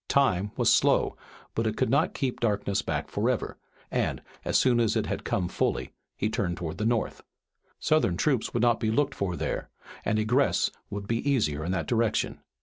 Time was slow, but it could not keep darkness back forever, and, as soon as it had come fully, he turned toward the north. Southern troops would not be looked for there, and egress would be easier in that direction.